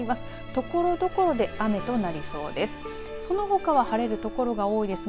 ところどころ雨となりそうです。